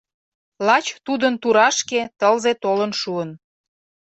Лач тудын турашке тылзе толын шуын.